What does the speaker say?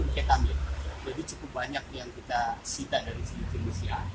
jadi cukup banyak yang kita sita dari situ